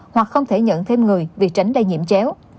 hoặc không thể nhận thêm người vì tránh lây nhiễm chéo